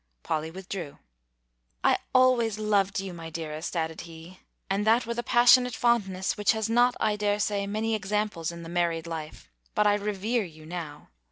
Polly withdrew. "I always loved you, my dearest," added he, "and that with a passionate fondness, which has not, I dare say, many examples in the married life: but I revere you now.